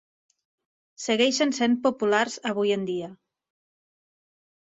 Segueixen sent populars avui en dia.